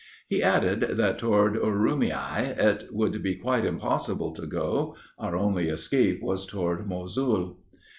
He added, that toward Oroomiah it would be quite impossible to go; our only escape was toward Mosul."